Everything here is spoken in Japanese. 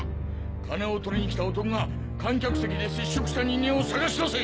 金を取りに来た男が観客席で接触した人間を捜し出せ！